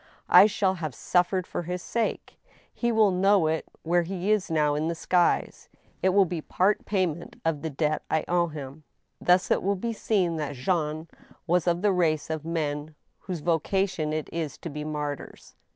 I shall have suf fered for his sake. He will know it where he now is in the skies. It will be part payment of the debt I owe him." Thus it will be seen that Jean was of the race of men whose vocation it is to be martyrs.